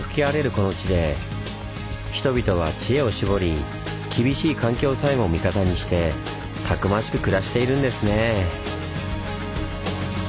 この地で人々は知恵を絞り厳しい環境さえも味方にしてたくましく暮らしているんですねぇ。